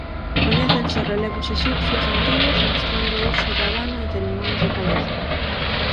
Coñécense relevos exipcios antigos mostrando o uso do abano en cerimonias do palacio.